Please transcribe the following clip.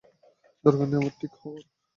দরকার নেই আমার ঠিক হওয়ার।